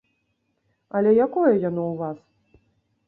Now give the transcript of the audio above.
Але якое яно ў вас?